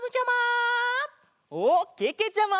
おっけけちゃま！